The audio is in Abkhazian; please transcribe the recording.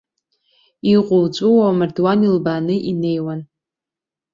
Иҟуҵәуо, амардуан илбааны инеиуан.